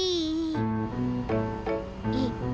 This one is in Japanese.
えっ？